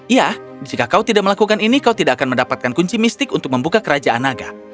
ya jika kau tidak melakukan ini kau tidak akan mendapatkan kunci mistik untuk membuka kerajaan naga